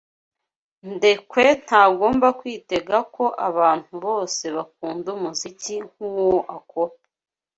Ndekwe ntagomba kwitega ko abantu bose bakunda umuziki nkuwo akora.